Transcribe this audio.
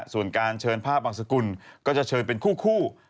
ส่วนการเชิญภาพบางสกุลก็จะเชิญเป็นคู่